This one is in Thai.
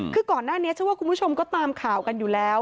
คือก่อนหน้านี้เชื่อว่าคุณผู้ชมก็ตามข่าวกันอยู่แล้ว